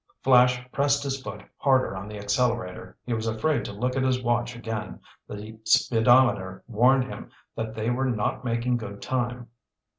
Flash pressed his foot harder on the accelerator. He was afraid to look at his watch again. The speedometer warned him that they were not making good time.